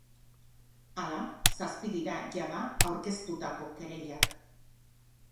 Hala, zazpi dira jada aurkeztutako kereilak.